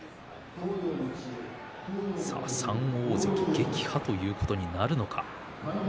３大関撃破ということになるのか。